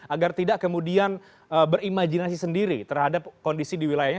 agar tidak kemudian berimajinasi sendiri terhadap kondisi di wilayahnya